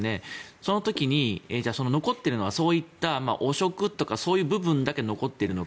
その時に、その残っているのはそういった汚職とかそういう部分だけ残っているのか